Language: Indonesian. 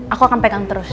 aku akan pegang terus